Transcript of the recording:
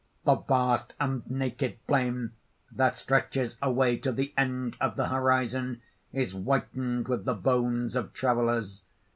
The vast and naked plain that stretches away to the end of the horizon is whitened with the bones of travellers.